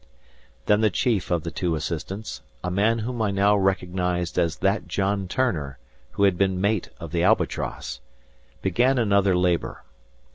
Then the chief of the two assistants, a man whom I now recognized as that John Turner who had been mate of the "Albatross," began another labor.